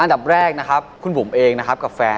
อันดับแรกนะครับคุณบุ๋มเองนะครับกับแฟน